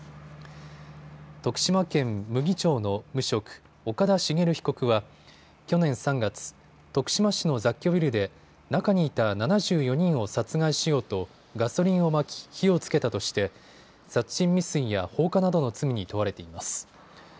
徳島県牟岐町の無職、岡田茂被告は去年３月、徳島市の雑居ビルで中にいた７４人を殺害しようとガソリンをまき火をつけたとして殺人未遂や放火などの罪に問われています。